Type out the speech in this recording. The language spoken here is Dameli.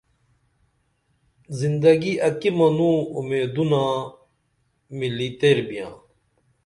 زندگی اکی منوں اُومیدونہ ملیں تیر بیاں